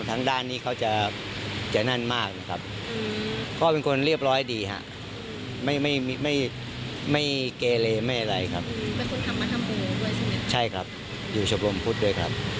ถ้าเขาเห็นอะไรเกี่ยวกับด้านที่ทำไม่ถูกต้องก็จะไม่ยอมแล้วก็รู้สึกเสียใจครับ